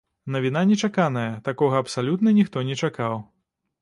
Навіна нечаканая, такога абсалютна ніхто не чакаў.